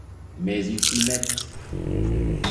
Mais ils s’y mettent !